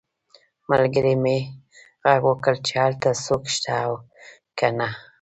ملګري مې غږ وکړ چې هلته څوک شته او که نه